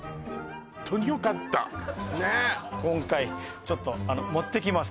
今回ちょっと持ってきます